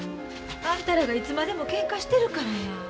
あんたらがいつまでもけんかしてるからや。